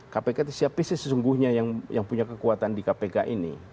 kpk itu siapa sih sesungguhnya yang punya kekuatan di kpk ini